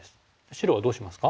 白はどうしますか？